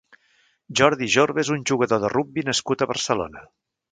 Jordi Jorba és un jugador de rugbi nascut a Barcelona.